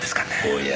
おや。